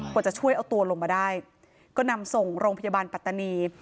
กว่าจะช่วยเอาตัวลงมาได้ก็นำส่งโรงพยาบาลปัตตานี